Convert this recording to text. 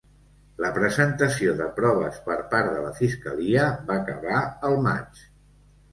La presentació de proves per part de la fiscalia va acabar el maig.